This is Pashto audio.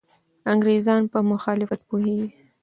انګریزان په مخالفت پوهېږي.